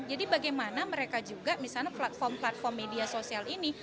jadi bagaimana mereka juga misalnya platform platform media sosial ini